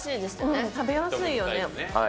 食べやすいよね。